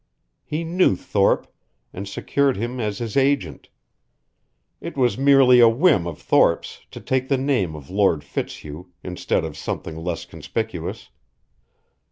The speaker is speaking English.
He knew Thorpe, and secured him as his agent. It was merely a whim of Thorpe's to take the name of Lord Fitzhugh instead of something less conspicuous.